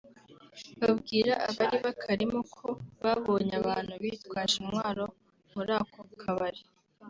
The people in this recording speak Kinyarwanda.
babwira abari bakarimo ko babonye abantu bitwaje intwaro muri ako kabari